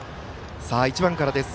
１番からです。